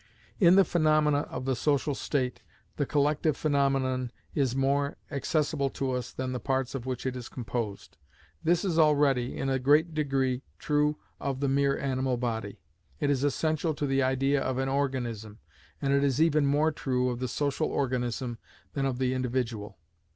In the phaenomena of the social state, the collective phaenomenon is more accessible to us than the parts of which it is composed. This is already, in a great degree, true of the mere animal body. It is essential to the idea of an organism, and it is even more true of the social organism than of the individual.